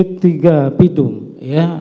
saudara sudah mengetahui